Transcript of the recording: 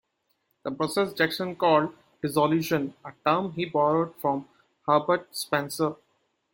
This process Jackson called 'dissolution', a term he borrowed from Herbert Spencer.